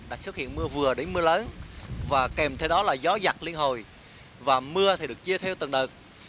đã xuất hiện mưa vừa đến mưa lớn và kèm theo đó là gió giặc liên hồi và mưa thì được chia theo từng đợt